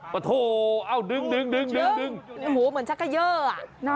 ปะโถเอ้าดึงดึงดึงดึงดึงโอ้โหเหมือนชักก็เยอะอ่ะ